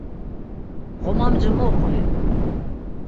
Ğomamci mu qvi?